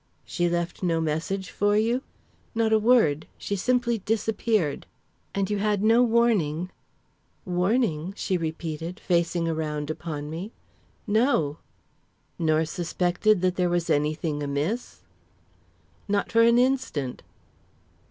"She left no message for you?" "Not a word; she simply disappeared." "And you had no warning?" "Warning?" she repeated, facing around upon me. "No!" "Nor suspected that there was anything amiss?" "Not for an instant."